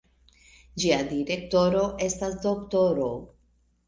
Ĝia direktoro estas D-ro.